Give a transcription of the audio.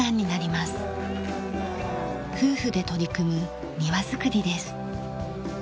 夫婦で取り組む庭づくりです。